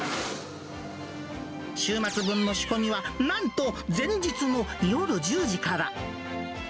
週末分の仕込みは、なんと、前日の夜１０時から。